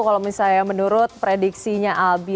kalau misalnya menurut prediksinya albi